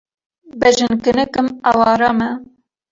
Bejn kinik im, eware me.